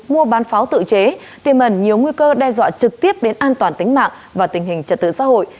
mua bán pháo tự chế tiềm ẩn nhiều nguy cơ đe dọa trực tiếp đến an toàn tính mạng và tình hình trật tự xã hội